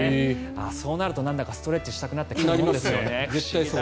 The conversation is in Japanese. そうなるとなんだかストレッチしたくなってきますね。